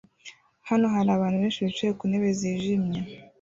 Hano hari abantu benshi bicaye ku ntebe zijimye